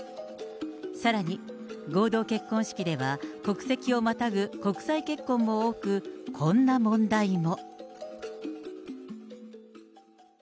さらに、合同結婚式では国籍をまたぐ国際結婚も多く、こんな問題も。